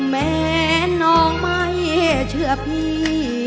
แม้น้องไม่เชื่อพี่